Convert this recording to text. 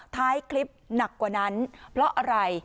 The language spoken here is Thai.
ท้ายคลิปหนักกว่านั้นเพราะอะไร